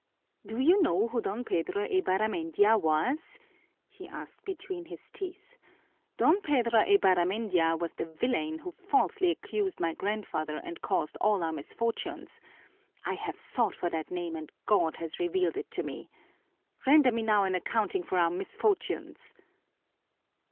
"Do you know who Don Pedro Eibarramendia was?" he asked between his teeth. "Don Pedro Eibarramendia was the villain who falsely accused my grandfather and caused all our misfortunes. I have sought for that name and God has revealed it to me! Render me now an accounting for our misfortunes!"